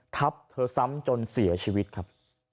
ทับเธอซ้ำจนเสียชีวิตครับ